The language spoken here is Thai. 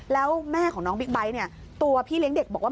แล้วแม่ของน้องบิ๊กไบท์เนี่ยตัวพี่เลี้ยงเด็กบอกว่า